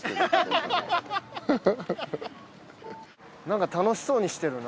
なんか楽しそうにしてるな。